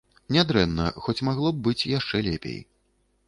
Нядрэнна, хоць магло б быць яшчэ лепей.